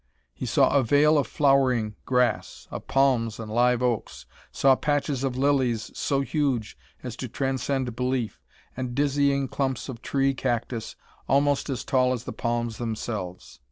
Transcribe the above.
He saw a vale of flowering grass, of palms and live oaks, saw patches of lilies so huge as to transcend belief, and dizzying clumps of tree cactus almost as tall as the palms themselves.